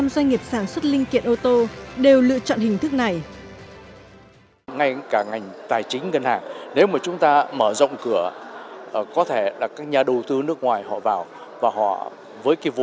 năm mươi một doanh nghiệp sản xuất linh kiện ô tô đều lựa chọn hình thức này